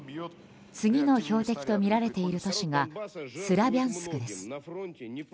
次の標的とみられている都市がスラビャンスクです。